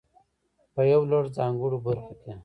په يو لړ ځانګړو برخو کې.